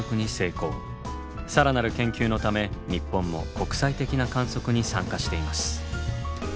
更なる研究のため日本も国際的な観測に参加しています。